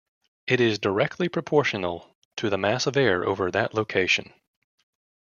It is directly proportional to the mass of air over that location.